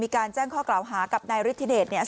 มีการแจ้งข้อกล่าวหากับนายฤทธิเดช